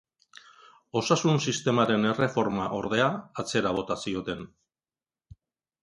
Osasun-sistemaren erreforma, ordea, atzera bota zioten.